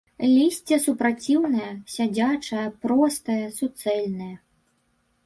Лісце супраціўнае, сядзячае, простае, суцэльнае.